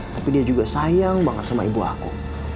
tapi dia juga sayang banget sama ibu aku